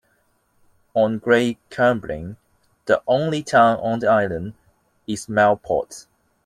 On Great Cumbrae, the only town on the island is Millport.